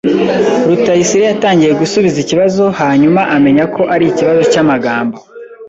Rutayisire yatangiye gusubiza ikibazo hanyuma amenya ko arikibazo cyamagambo.